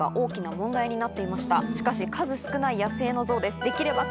しかし数少ない野生のゾウです。